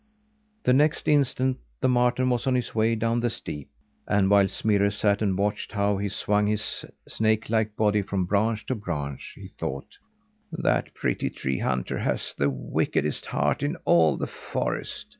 The next instant the marten was on his way down the steep; and while Smirre sat and watched how he swung his snake like body from branch to branch, he thought: "That pretty tree hunter has the wickedest heart in all the forest.